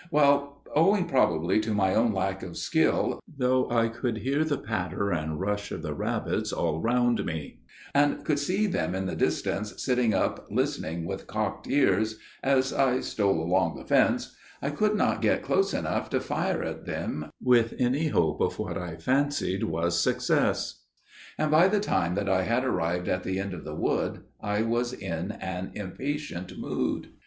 Well, owing probably to my own lack of skill, though I could hear the patter and rush of the rabbits all round me, and could see them in the distance sitting up listening with cocked ears, as I stole along the fence, I could not get close enough to fire at them with any hope of what I fancied was success; and by the time that I had arrived at the end of the wood I was in an impatient mood.